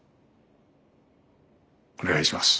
お願いします。